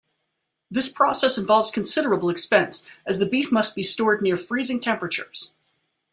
This process involves considerable expense, as the beef must be stored near freezing temperatures.